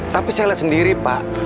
tapi saya lihat sendiri pak